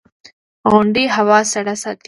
• غونډۍ هوا سړه ساتي.